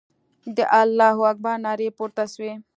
د الله اکبر نارې پورته سوې.